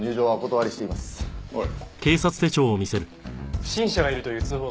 おい。